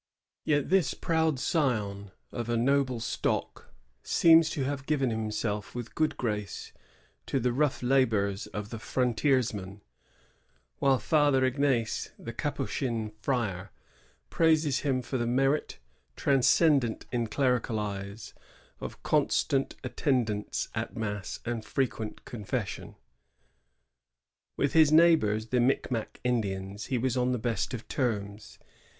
Yet this proud scion of a noble stock seems to have given himself with good grace to the rough labors of the frontiersman; while Father Ignace, the Capuchin friar, praises him for the merit, transcendent in clerical eyes, of constant attendance at mass and fre quent confession.^ With Ins neighbors, the Micmac Indians, he was on the best of terms.